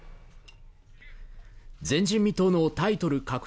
前人未到のタイトル獲得